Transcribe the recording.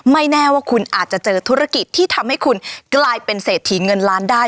แน่ว่าคุณอาจจะเจอธุรกิจที่ทำให้คุณกลายเป็นเศรษฐีเงินล้านได้